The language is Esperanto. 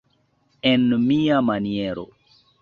En mia maniero.